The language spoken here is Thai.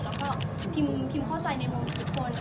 แล้วก็พิมเข้าใจในมุมทุกคน